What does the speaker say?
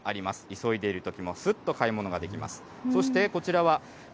急いでいるときもすっと買い物ができます。